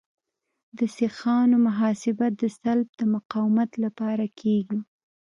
د سیخانو محاسبه د سلب د مقاومت لپاره کیږي